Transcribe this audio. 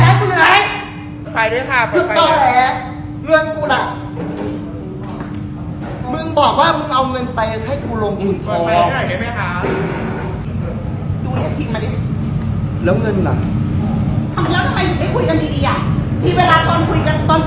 ทำไมไม่คุยกันดีดีอ่ะที่เวลาตอนคุยกันตอนอื่นพวกคุยกันดีดี